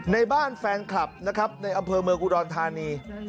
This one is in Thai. ในบ้านแฟนคลับนะครับในอำเภอเมืองอุดรธานี